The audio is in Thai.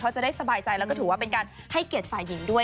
จะได้สบายใจแล้วก็ถือว่าเป็นการให้เกียรติฝ่ายหญิงด้วย